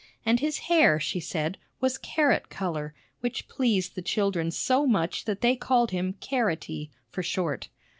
And his hair, she said, was carrot color, which pleased the children so much that they called him "Carroty" for short.